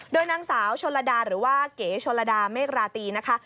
โดยนางสาวชนลดาหรือว่าเก๋ชนระดาเมฆราตีนะคะ